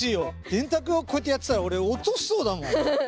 電卓をこうやってたらおれ落としそうだもん。